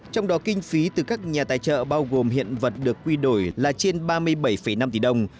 trong đó kinh phí từ các nhà tài trợ bao gồm hiện vật được quy đổi là trên ba mươi bảy năm tỷ đồng